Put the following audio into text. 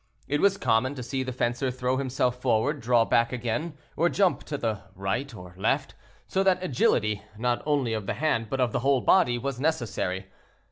It was common to see the fencer throw himself forward, draw back again, or jump to the right or left, so that agility, not only of the hand, but of the whole body, was necessary.